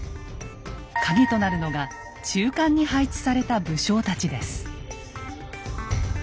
カギとなるのが中間に配置された武将たちです。